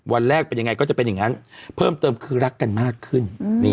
วันแรกเป็นยังไงก็จะเป็นอย่างนั้นเพิ่มเติมคือรักกันมากขึ้น